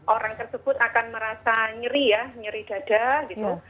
orang tersebut akan merasa nyeri ya nyeri dada gitu